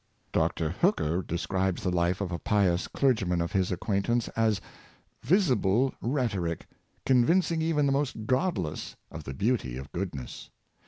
Dr. Hooker describes the life of a pious clergyman of his acquaintance as " visible rhetoric/' convincing even the most godless of the beauty of goodness.